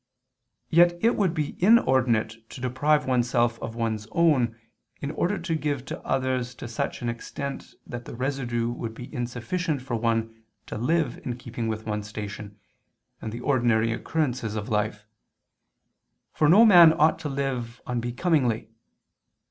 Yet it would be inordinate to deprive oneself of one's own, in order to give to others to such an extent that the residue would be insufficient for one to live in keeping with one's station and the ordinary occurrences of life: for no man ought to live unbecomingly.